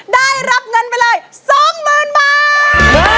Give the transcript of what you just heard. ได้รับเงินไปเลย๒๐๐๐บาท